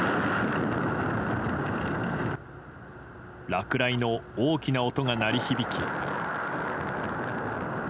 落雷の大きな音が鳴り響き。